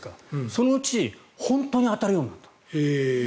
そのうち本当に当たるようになった。